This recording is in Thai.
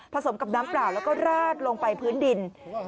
สมกับน้ำเปล่าแล้วก็ราดลงไปพื้นดิน